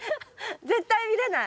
絶対見れない。